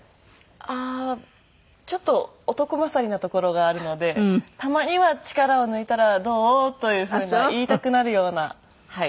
ああーちょっと男勝りなところがあるのでたまには力を抜いたらどう？というふうな言いたくなるようなはい。